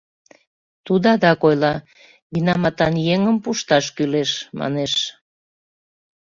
Тудо адак ойла: «Винаматан еҥым пушташ кӱлеш», — манеш.